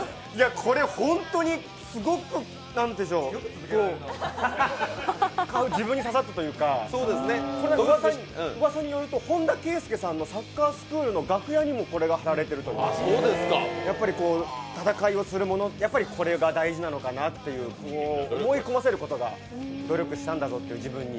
これ、ホントにすごく自分に刺さったというかうわさによると本田圭佑さんのサッカースクールの楽屋にもこれが貼られているという、戦いをする者は、やっぱりこれが大事なのかなと、思い込ませることが努力したんだぞと、自分に。